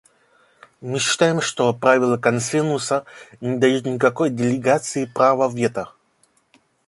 Мы считаем, что правило консенсуса не дает никакой делегации права вето.